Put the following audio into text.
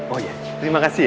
oh iya terima kasih ya